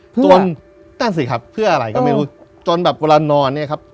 จนนั่นสิครับเพื่ออะไรก็ไม่รู้จนแบบเวลานอนเนี่ยครับ